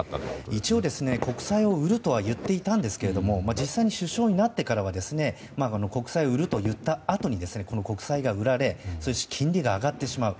一応、国債を売るとは言っていたんですが実際に首相になってからは国債を売ると言ったあとに国債が売られそして金利が上がってしまう。